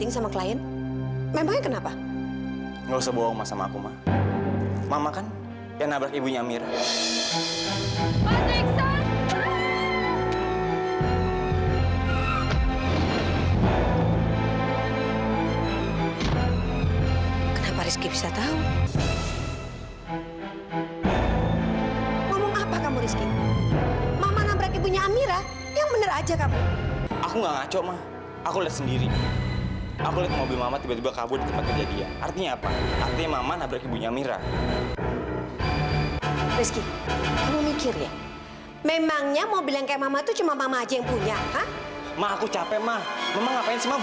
sampai jumpa di video selanjutnya